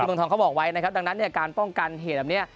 เมืองทองเขาบอกไว้นะครับดังนั้นเนี่ยการป้องกันเหตุแบบนี้